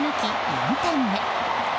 ４点目。